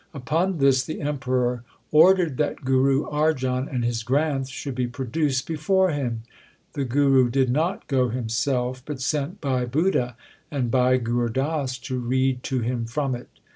Upon this the Emperor ordered that Guru Arjan and his Granth should be produced before him. The Guru did not go himself, but sent Bhai Budha and Bhai Gur Das to read to him from it.